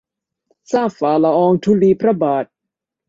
ทราบฝ่าละอองธุลีพระบาท